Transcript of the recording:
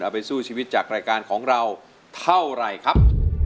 ไปสู้ชีวิตจากรายการของเราเท่าไหร่ครับ